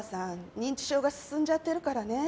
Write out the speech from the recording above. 認知症が進んじゃってるからね。